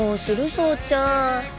宗ちゃん。